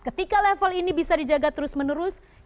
ketika level ini bisa dijaga terus menerus